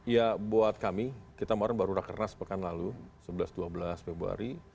ya buat kami kita baru baru sudah keras sepekan lalu sebelas dua belas februari